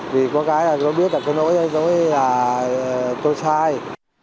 vì có cái là tôi biết là cái nỗi dối là tôi sai